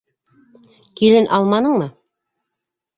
Килен алманыңмы?